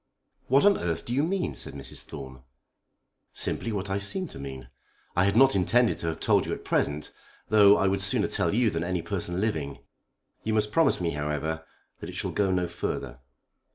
"What on earth do you mean?" said Mrs. Thorne. "Simply what I seem to mean. I had not intended to have told you at present, though I would sooner tell you than any person living. You must promise me, however, that it shall go no further.